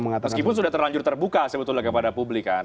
meskipun sudah terlanjur terbuka sebetulnya kepada publik kan